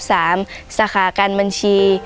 สาขาการบัญชี